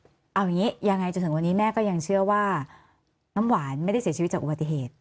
เอาอย่างนี้ยังไงจนถึงวันนี้แม่ก็ยังเชื่อว่าน้ำหวานไม่ได้เสียชีวิตจากอุบัติเหตุ